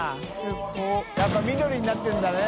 やっぱり緑になってるんだね